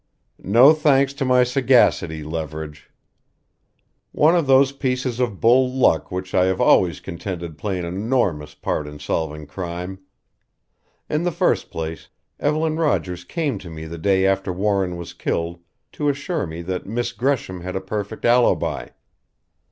"No thanks to my sagacity, Leverage. One of those pieces of bull luck which I have always contended play an enormous part in solving crime. In the first place Evelyn Rogers came to me the day after Warren was killed to assure me that Miss Gresham had a perfect alibi.